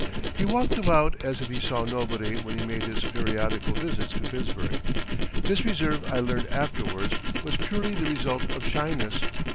He walked about as if he saw nobody when he made his periodical visits to Pittsburgh. This reserve I learned afterwards was purely the result of shyness.